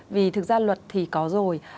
vì thực ra luật thì có rồi